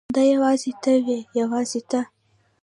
دا یوازې ته وې یوازې ته.